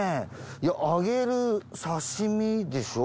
いや揚げる刺身でしょ？